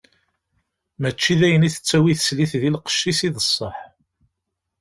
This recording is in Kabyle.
Mačči d ayen i tettawi teslit di lqecc-is i d ṣṣeḥ.